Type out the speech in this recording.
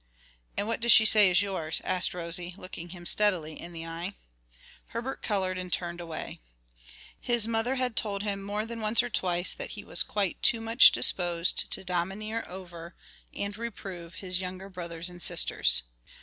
"And what does she say is yours?" asked Rosie, looking him steadily in the eye. Herbert colored and turned away. His mother had told him more than once or twice, that he was quite too much disposed to domineer over, and reprove his younger brother and sisters.